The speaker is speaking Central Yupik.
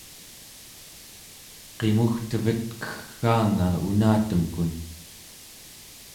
qimugtevet keggaanga unatemkun